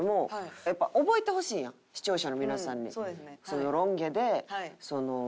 やっぱ覚えてほしいやん視聴者の皆さんに。